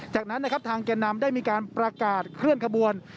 จากนั้นนะครับทางแก่นำได้มีการประกาศเคลื่อนขบวน